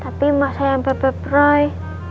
tapi masayang bebe broi